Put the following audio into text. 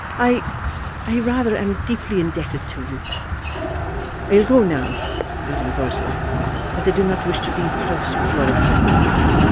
"I, rather, am deeply indebted to you. I will go now, Madame Goesler, as I do not wish to leave the house with Lord Fawn."